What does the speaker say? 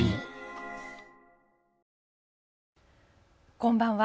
こんばんは。